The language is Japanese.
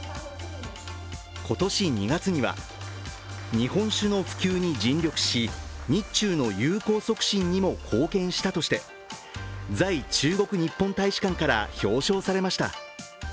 今年２月には日本酒の普及に尽力し日中の友好促進にも貢献したとして在中国日本大使館から表彰されました。